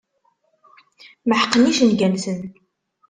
Meḥqen icenga-nsen.